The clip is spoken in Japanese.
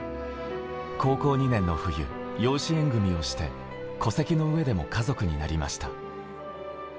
高校２年の冬、養子縁組をして戸籍の上でも家族になりました。